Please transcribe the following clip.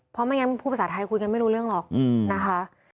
เพราะไม่งั้นพูดภาษาไทยคุยกันไม่รู้เรื่องหรอกนะคะ